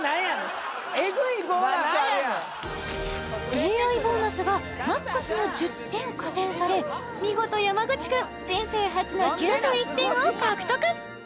ＡＩボーナスがＭＡＸの１０点加点され見事山口君人生初の９１点を獲得